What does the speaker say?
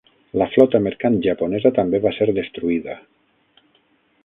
La flota mercant japonesa també va ser destruïda.